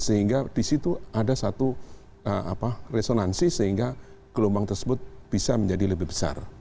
sehingga di situ ada satu resonansi sehingga gelombang tersebut bisa menjadi lebih besar